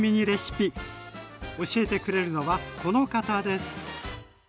教えてくれるのはこの方です！